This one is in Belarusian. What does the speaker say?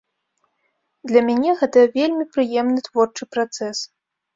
Для мяне гэта вельмі прыемны творчы працэс!